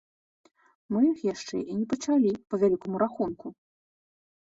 Мы іх яшчэ і не пачалі, па вялікаму рахунку!